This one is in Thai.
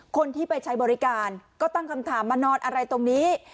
คนที่ไปใช้บริการก็ตั้งคำถามมานอนอะไรตรงนี้